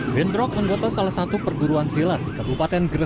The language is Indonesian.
namun masa tidak terima dan mengejar warga